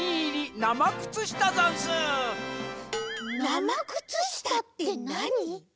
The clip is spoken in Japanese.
なまくつしたってなに？